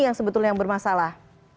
yang sebetulnya bermasalah